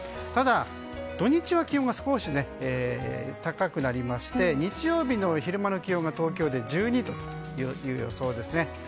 ただ、土日は気温が少し高くなりまして日曜日の昼間の気温が東京で１２度の予想ですね。